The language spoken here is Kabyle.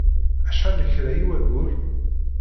Acḥal lekra i wayyur?